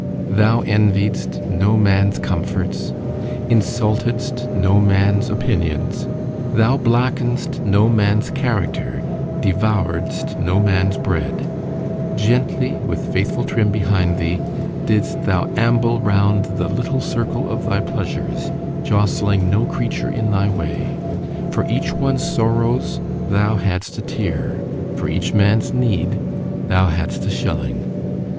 —Thou enviedst no man's comforts——insultedst no man's opinions——Thou blackenedst no man's character—devouredst no man's bread: gently, with faithful Trim behind thee, didst thou amble round the little circle of thy pleasures, jostling no creature in thy way:—for each one's sorrows, thou hadst a tear,—for each man's need, thou hadst a shilling.